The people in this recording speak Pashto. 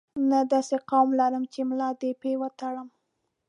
نه داسې قوم لرم چې ملا دې په وتړم.